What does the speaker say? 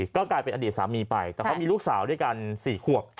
ก็กลายเป็นอดีตสามีไปแต่เขามีลูกสาวด้วยกัน๔ขวบ